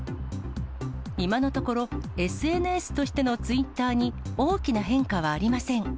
今のところ、ＳＮＳとしてのツイッターに、大きな変化はありません。